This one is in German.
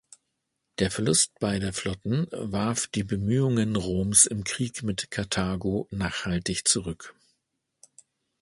Der Verlust beider Flotten warf die Bemühungen Roms im Krieg mit Karthago nachhaltig zurück.